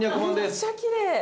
めっちゃきれい！